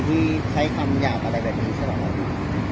ที่ใช้กรรมอยู่ช่างใดช่วงนี้ใช่ปะอี